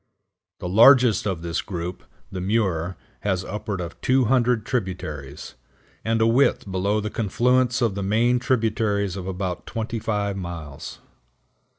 The largest of this group, the Muir, has upward of 200 tributaries, and a width below the confluence of the main tributaries of about twenty five miles.